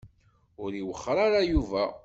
Ur iwexxeṛ ara Yuba.